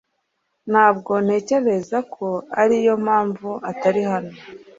Ntabwo ntekereza ko ariyo mpamvu atari hano.